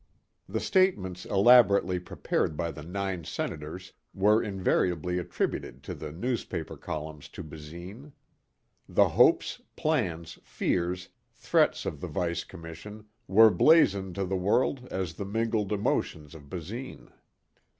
The statements elaborately prepared by the nine senators were invariably attributed in the newspaper columns to Basine. The hopes, plans, fears, threats of the Vice Commission were blazoned to the world as the mingled emotions of Basine.